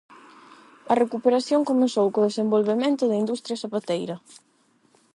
A recuperación comezou co desenvolvemento da industria zapateira.